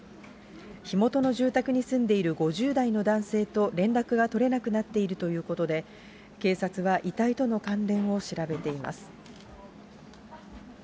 火元の住宅に住んでいる５０代の男性と連絡が取れなくなっているということで、警察は遺体との関連を調べています。